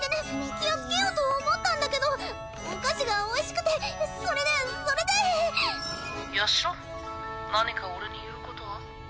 気をつけようと思ったんだけどお菓子がおいしくてそれでそれでヤシロ何か俺に言うことは？